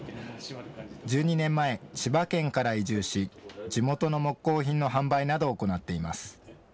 １２年前、千葉県から移住し地元の木工品の販売などを行っています。